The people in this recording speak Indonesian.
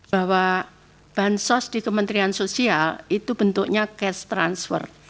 bahwa bansos di kementerian sosial itu bentuknya cash transfer